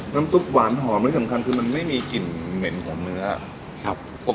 น้ำซุปหวานหอมและสำคัญคือมันไม่มีกลิ่นเหม็นของเนื้อครับผม